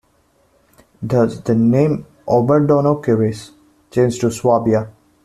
Thus the name Oberdonaukreis changed to Swabia.